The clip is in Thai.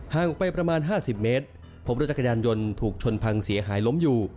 ออกไปประมาณ๕๐เมตรพบรถจักรยานยนต์ถูกชนพังเสียหายล้มอยู่